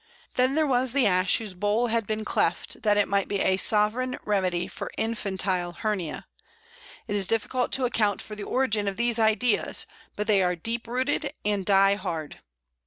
Then there was the Ash whose bole had been cleft that it might be a "sovran" remedy for infantile hernia. It is difficult to account for the origin of these ideas, but they are deep rooted and die hard.